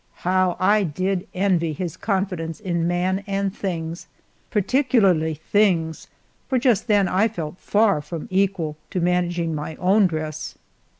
How I did envy his confidence in man and things, particularly things, for just then I felt far from equal to managing my own dress.